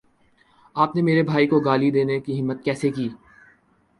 آپ نے میرے بھائی کو گالی دینے کی ہمت کیسے کی